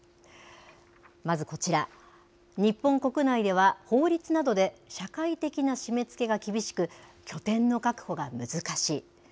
まずこちら、日本国内では、法律などで社会的な締めつけが厳しく、拠点の確保が難しい。